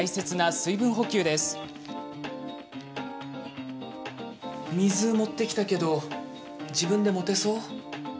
水持ってきたけど自分で持てそう？